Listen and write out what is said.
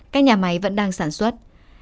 các nhà máy vẫn đang sản xuất